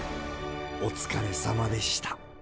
お疲れさまでした。